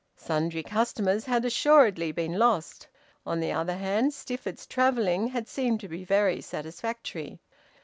Sundry customers had assuredly been lost; on the other hand, Stifford's travelling had seemed to be very satisfactory.